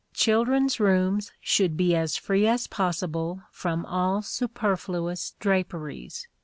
Children's rooms should be as free as possible from all superfluous draperies.